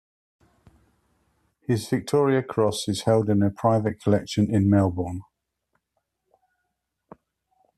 His Victoria Cross is held in a private collection in Melbourne.